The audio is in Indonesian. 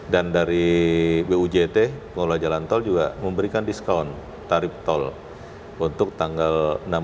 dan dari bujt pengelola jalan tol juga memberikan diskaun tarif tol untuk tanggal enam belas tujuh belas delapan belas sembilan belas